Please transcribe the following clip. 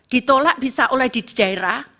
ditolak bisa oleh di daerah